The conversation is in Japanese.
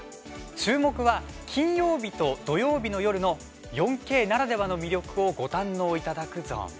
注目は金曜日と土曜日の夜の４Ｋならではの魅力をご堪能いただくゾーン。